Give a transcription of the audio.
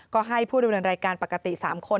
ก็ให้ผู้ดำเนินรายการปกติ๓คน